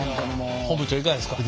本部長いかがですか？